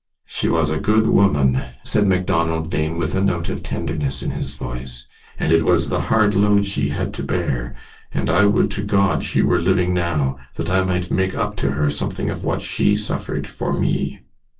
"She was a good woman," said Macdonald Bhain, with a note of tenderness in his voice. "And it was the hard load she had to bear, and I would to God she were living now, that I might make up to her something of what she suffered for me."